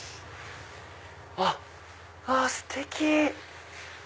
あっステキ！